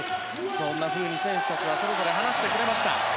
そんなふうに選手たちはそれぞれ話してくれました。